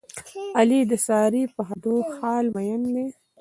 علي د سارې په خدو خال مین دی.